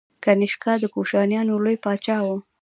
کنیشکا د کوشانیانو لوی پاچا و.